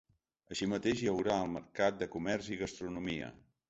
Així mateix, hi haurà el mercat de comerç i gastronomia.